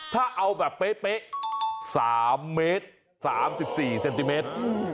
ถ้าเอาแบบเป๊ะ๓เมตร๓๔เซนติเมตร